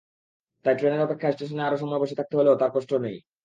তাই ট্রেনের অপেক্ষায় স্টেশনে আরও সময় বসে থাকতে হলেও তাঁর কষ্ট নেই।